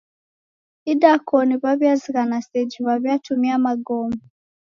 Idakoni waw'iazighana seji waw'iatumia magome.